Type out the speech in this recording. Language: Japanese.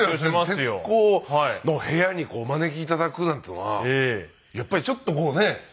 『徹子の部屋』にお招き頂くなんていうのはやっぱりちょっとこうね